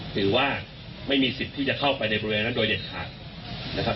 ถือว่าไม่มีสิทธิ์ที่จะเข้าไปในบริเวณนั้นโดยเด็ดขาดนะครับ